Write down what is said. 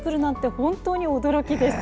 本当に驚きです。